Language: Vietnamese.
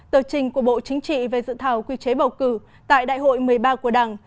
tờ trình của bộ chính trị về dự thảo quy chế bầu cử tại đại hội một mươi ba của đảng